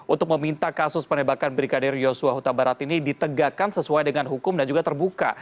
untuk meminta kasus penembakan brigadir yosua huta barat ini ditegakkan sesuai dengan hukum dan juga terbuka